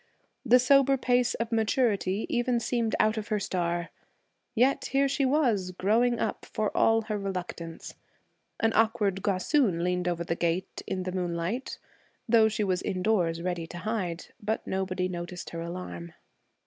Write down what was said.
The sober pace of maturity even seemed out of her star. Yet here she was, growing up, for all her reluctance. An awkward gossoon leaned over the gate in the moonlight, though she was indoors, ready to hide. But nobody noticed her alarm.